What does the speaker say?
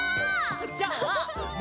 じゃあ僕